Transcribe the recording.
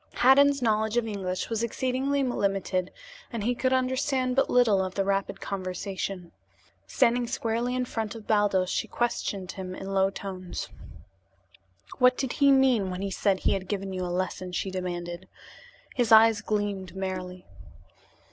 Haddan's knowledge of English was exceedingly limited, and he could understand but little of the rapid conversation. Standing squarely in front of Baldos, she questioned him in low tones. "What did he mean when he said he had given you a lesson?" she demanded. His eyes gleamed merrily.